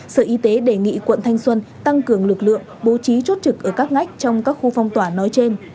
sở y tế đề nghị quận thanh xuân tăng cường lực lượng bố trí chốt trực ở các ngách trong các khu phong tỏa nói trên